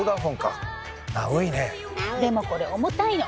でもこれ重たいの。